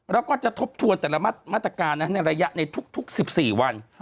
แล้วก็จะทบทวนแต่ละมาตรการในระยะในทุก๑๔วัน